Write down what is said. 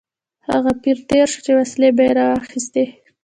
هغه پیر تېر شو چې وسلې به یې راواخیستې.